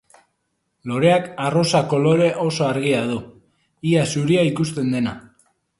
Loreak arrosa kolore oso argia du, ia zuria ikusten dena.